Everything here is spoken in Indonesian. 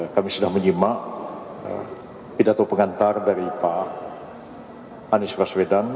kami sudah menyimak pidato pengantar dari pak anies baswedan